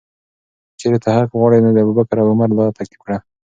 که چیرې ته حق غواړې، نو د ابوبکر او عمر لاره تعقیب کړه.